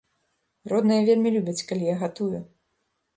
Родныя вельмі любяць, калі я гатую.